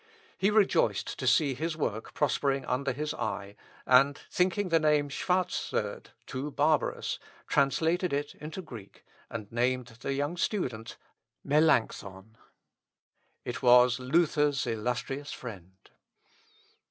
He rejoiced to see his work prospering under his eye; and, thinking the name Schwarzerd too barbarous, translated it into Greek, and named the young student Melancthon. It was Luther's illustrious friend.